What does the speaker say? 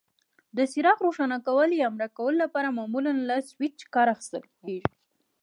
د څراغ روښانه کولو یا مړ کولو لپاره معمولا له سویچ کار اخیستل کېږي.